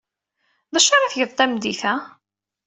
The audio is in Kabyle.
D acu ara tgeḍ tameddit-a?